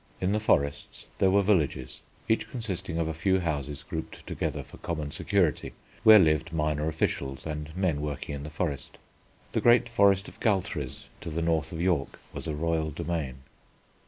In the forests there were villages each consisting of a few houses grouped together for common security, where lived minor officials and men working in the forest. The great Forest of Galtres, to the north of York, was a royal domain.